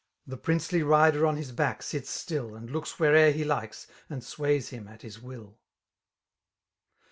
The princely riiier on his bade sits stilly And looks where'er he likes, and sways hun at Us; will.